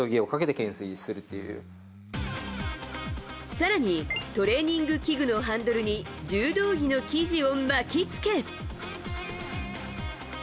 更にトレーニング器具のハンドルに柔道着の生地を巻きつけ。